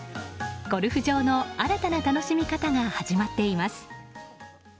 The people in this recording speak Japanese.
ゴルフ場の新たな楽しみ方が始まっています。